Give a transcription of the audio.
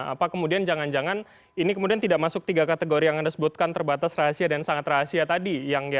apa kemudian jangan jangan ini kemudian tidak masuk tiga kategori yang anda sebutkan terbatas rahasia dan sangat rahasia tadi